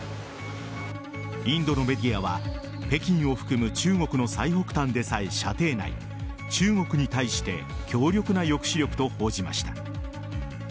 インドのメディアは北京を含む中国の最北端でさえ射程内中国に対して強力な抑止力と報じました。